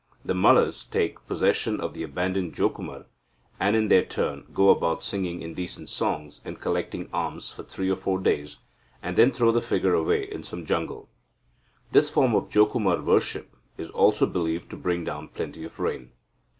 The Malas take possession of the abandoned Jokumara, and, in their turn, go about singing indecent songs, and collecting alms for three or four days, and then throw the figure away in some jungle. This form of Jokumara worship is also believed to bring down plenty of rain.